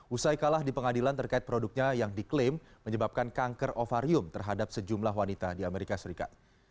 usai kalah di pengadilan terkait produknya yang diklaim menyebabkan kanker ovarium terhadap sejumlah wanita di amerika serikat